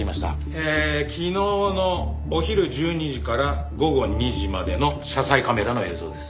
えー昨日のお昼１２時から午後２時までの車載カメラの映像です。